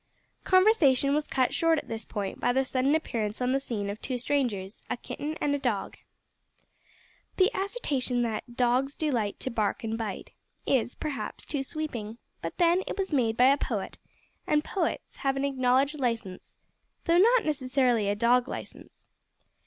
Conversation was cut short at this point by the sudden appearance on the scene of two strangers a kitten and a dog. The assertion that "dogs delight to bark and bite" is, perhaps, too sweeping, but then it was made by a poet and poets have an acknowledged licence though not necessarily a dog licence.